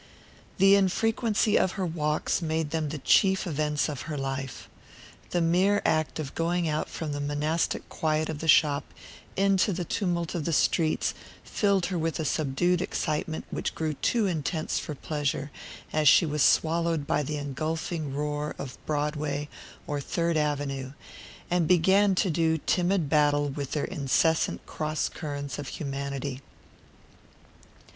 The infrequency of her walks made them the chief events of her life. The mere act of going out from the monastic quiet of the shop into the tumult of the streets filled her with a subdued excitement which grew too intense for pleasure as she was swallowed by the engulfing roar of Broadway or Third Avenue, and began to do timid battle with their incessant cross currents of humanity.